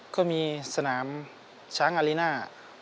ก็มีสนามช้างอารีน่า